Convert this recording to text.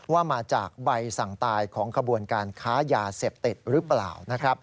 ว่ามาจากใบสั่งตายของขบวนการค้ายาเสพติดหรือเปล่า